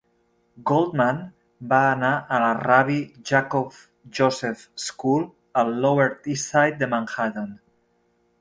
Goldman va anar a la Rabbi Jacob Joseph School, al Lower East Side de Manhattan.